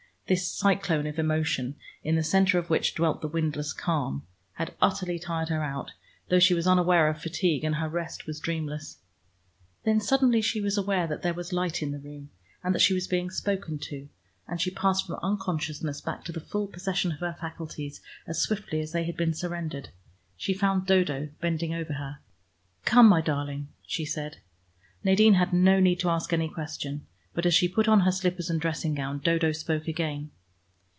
This cyclone of emotion, in the center of which dwelt the windless calm, had utterly tired her out, though she was unaware of fatigue, and her rest was dreamless. Then suddenly she was aware that there was light in the room, and that she was being spoken to, and she passed from unconsciousness back to the full possession of her faculties, as swiftly as they had been surrendered. She found Dodo bending over her. "Come, my darling," she said. Nadine had no need to ask any question, but as she put on her slippers and dressing gown Dodo spoke again.